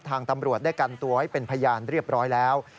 ทางตำรวจได้กันตัวให้เป็นพยานเรียบร้อยแล้ว